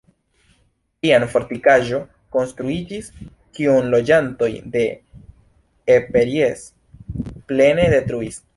Iam fortikaĵo konstruiĝis, kiun loĝantoj de Eperjes plene detruis.